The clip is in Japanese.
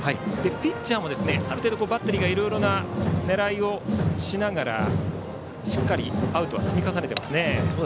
ピッチャーもある程度、バッテリーがいろいろ狙いをしながらしっかりアウトは積み重ねています。